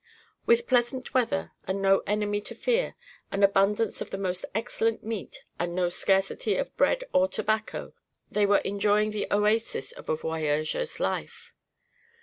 With pleasant weather and no enemy to fear, and abundance of the most excellent meat, and no scarcity of bread or tobacco, they were enjoying the oasis of a voyageur's life.